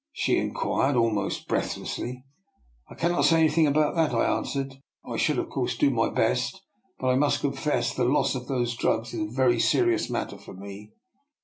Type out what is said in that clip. " she inquired, almost breathlessly. *' I cannot say anything about that," I an swered. " I should of course do my best, but I must confess the loss of those drugs is a very serious matter for me.